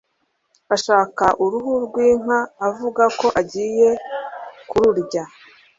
ashaka uruhu rw'inka avuga ko agiye kururya.